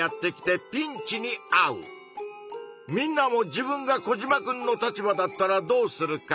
みんなも自分がコジマくんの立場だったらどうするか？